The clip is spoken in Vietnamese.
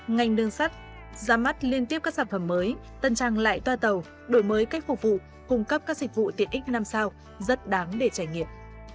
ngành đường sắt ra mắt liên tiếp các sản phẩm mới tân trang lại toa tàu đổi mới cách phục vụ cung cấp các dịch vụ tiện ích năm sao rất đáng để trải nghiệm